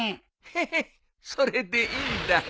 ヘヘッそれでいいんだ。